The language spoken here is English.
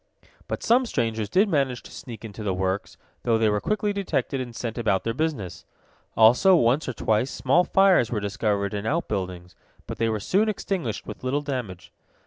But some strangers did manage to sneak into the works, though they were quickly detected and sent about their business. Also, once or twice, small fires were discovered in outbuildings, but they were soon extinguished with little damage.